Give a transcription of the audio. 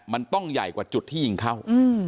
มันต้องใหญ่กว่าจุดที่ยิงเข้า